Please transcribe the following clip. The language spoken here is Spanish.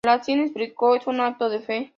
Lalín explicó: "Es un acto de fe.